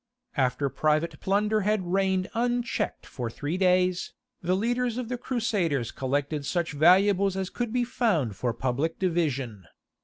After private plunder had reigned unchecked for three days, the leaders of the Crusaders collected such valuables as could be found for public division.